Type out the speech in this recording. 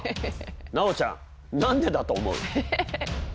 奈央ちゃん何でだと思う？